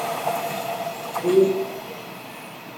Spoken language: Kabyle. Yerra-yas-t-id.